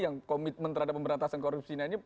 yang komitmen terhadap pemberantasan korupsi ini